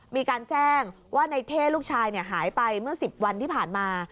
มีการแจ้งว่าในเท่ลูกชายหายไปเมื่อ๑๐วันที่ผ่านมา